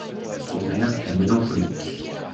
Son air est mélancolique.